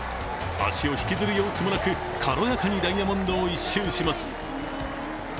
足を引きずる様子もなく、軽やかにダイヤモンドを１周します。